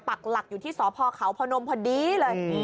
ปักหลักอยู่ที่สพเขาพนมพอดีเลย